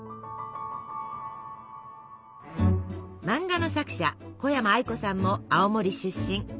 漫画の作者小山愛子さんも青森出身。